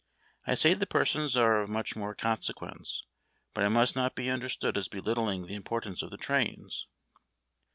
I say the persons are of much more consequence, but I must not be understood as belittling the importance of the trains.